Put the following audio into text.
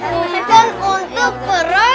bukan untuk berantem